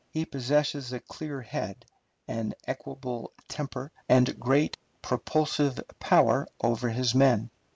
He possesses a clear head, an equable temper, and great propulsive power over his men.